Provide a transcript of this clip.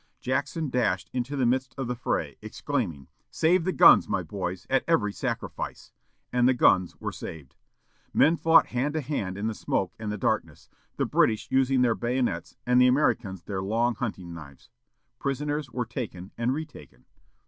Jackson dashed into the midst of the fray, exclaiming, "Save the guns, my boys, at every sacrifice," and the guns were saved. Men fought hand to hand in the smoke and the darkness; the British using their bayonets, and the Americans their long hunting knives. Prisoners were taken and retaken.